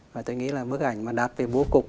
và tôi nghĩ là bức ảnh mà đáp về bố cục